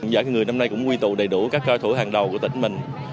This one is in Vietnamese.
giải cứu người năm nay cũng quy tụ đầy đủ các cao thủ hàng đầu của tỉnh mình